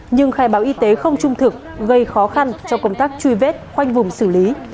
nhưng khai báo y tế không trung thực gây khó khăn cho công tác truy vết khoanh vùng xử lý